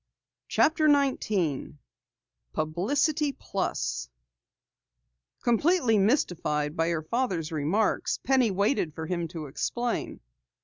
CHAPTER 19 PUBLICITY PLUS Completely mystified by her father's remarks, Penny waited for him to explain.